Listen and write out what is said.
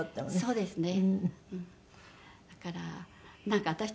そうですね。